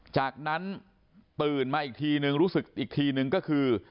จากนั้นตื่นมาอีกทีนึงรู้สึกอีกทีนึงก็คือ